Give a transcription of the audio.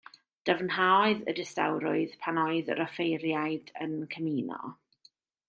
Dyfnhaodd y distawrwydd pan oedd yr offeiriad yn cymuno.